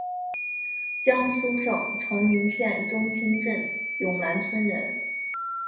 江苏省崇明县中兴镇永南村人。